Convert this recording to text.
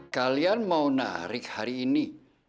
kalian mau narik hari ini